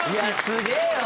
すげえな！